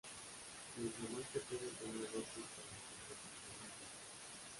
Desde muy pequeña tenía dotes para la composición y el canto.